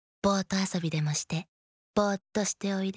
あそびでもしてボーッとしておいで。